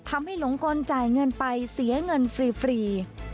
หลงกลจ่ายเงินไปเสียเงินฟรี